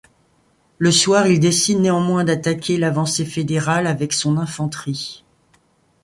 Le soir, il décide néanmoins d'attaquer l'avancée fédérale avec son infanterie.